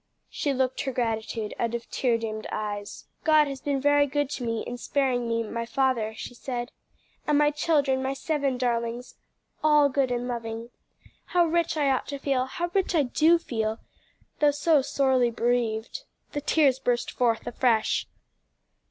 She looked her gratitude out of tear dimmed eyes. "God has been very good to me, in sparing me, my father," she said. "And my children, my seven darlings all good and loving. How rich I ought to feel! how rich I do feel, though so sorely bereaved." The tears burst forth afresh.